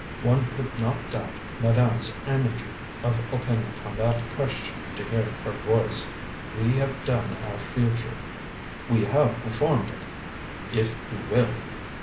One could not doubt madame's energy of opinion on that question to hear her voice. "We have done our future, we have performed it, if you will.